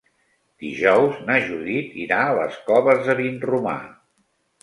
Dijous na Judit irà a les Coves de Vinromà.